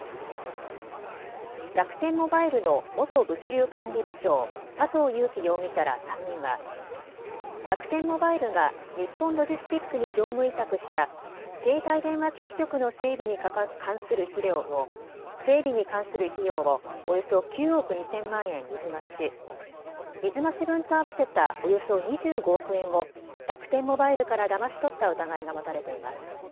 楽天モバイルの元物流管理部長、佐藤友紀容疑者ら３人は楽天モバイルが日本ロジステックに業務委託した携帯電話基地局の整備に関する費用をおよそ９億２０００万円水増しし水増し分と合わせたおよそ２５億円を楽天モバイルからだまし取った疑いが持たれています。